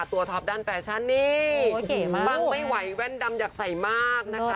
ท็อปด้านแฟชั่นนี่ฟังไม่ไหวแว่นดำอยากใส่มากนะคะ